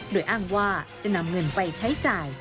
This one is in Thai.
โดยอ้างว่าจะนำเงินไปใช้จ่าย